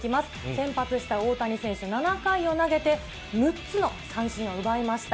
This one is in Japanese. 先発した大谷選手、７回を投げて、６つの三振を奪いました。